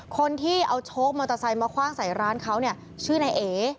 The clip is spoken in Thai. คนที่เอาโชคมอเตอร์ไซค์มาคว่างใส่ร้านเขาเนี่ยชื่อนายเอ